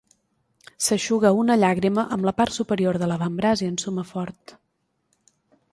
S'eixuga una llàgrima amb la part superior de l'avantbraç i ensuma fort.